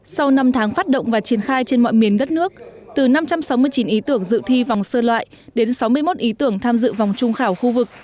sau năm tháng phát động và triển khai trên mọi miền đất nước từ năm trăm sáu mươi chín ý tưởng dự thi vòng sơ loại đến sáu mươi một ý tưởng tham dự vòng trung khảo khu vực